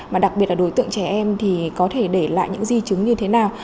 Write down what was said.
và đặc biệt là đối tượng trẻ em thì có thể để lại những di chứng như thế nào